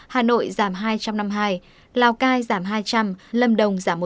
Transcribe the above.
hà nội giảm hai trăm năm mươi hai lào cai giảm hai trăm linh lâm đồng giảm một trăm tám mươi bảy